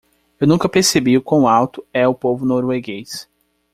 Eu nunca percebi o quão alto é o povo norueguês.